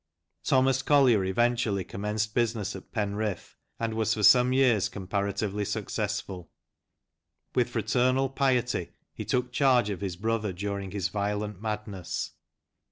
" Thomas Collier eventually commenced business at Penrith, and was for some years comparatively successful. With fraternal piety he took charge of his brother during his violent madness.